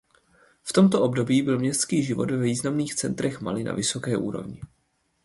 V tomto období byl městský život ve významných centrech Mali na vysoké úrovni.